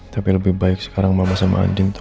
tapi lebih baik sekarang mama sama andien tuh